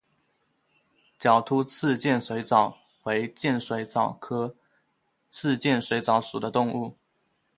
角突刺剑水蚤为剑水蚤科刺剑水蚤属的动物。